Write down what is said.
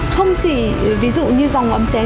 không chỉ ví dụ như dòng ấm chén